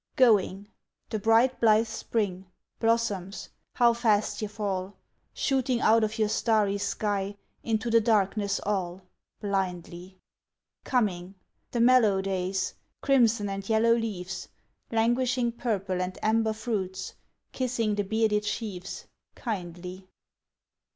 Going the bright, blithe Spring; Blossoms! how fast ye fall, Shooting out of your starry sky Into the darkness all Blindly! Coming the mellow days: Crimson and yellow leaves; Languishing purple and amber fruits Kissing the bearded sheaves Kindly!